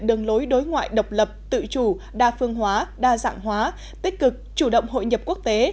đường lối đối ngoại độc lập tự chủ đa phương hóa đa dạng hóa tích cực chủ động hội nhập quốc tế